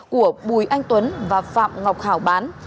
của bùi anh tuấn và phạm ngọc hảo bán